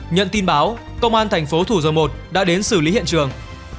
nhận tin báo công an thành phố thủ dầu một đã đến xử lý hiện trường